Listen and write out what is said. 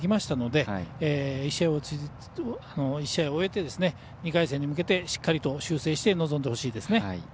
１試合落ち着いてできましたので１試合を終えて２回戦に向けてしっかりと修正して臨んでほしいですね。